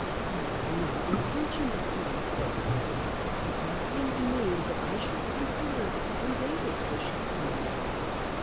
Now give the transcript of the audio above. "I have no intention of doing so, Penny. It does seem to me that I should consider Cousin David's wishes in the matter.